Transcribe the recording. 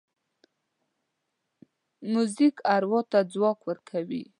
موزیک اروا ته ځواک ورکوي.